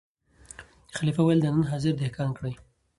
خلیفه ویل دا نن حاضر دهقان کړی